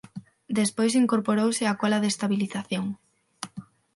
Despois incorporouse a cola de estabilización.